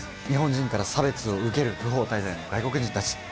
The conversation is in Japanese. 日本人から差別を受ける不法滞在の外国人たち。